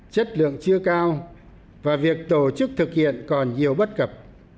chất lượng chưa cao và việc tổ chức thực hiện còn nhiều bất cập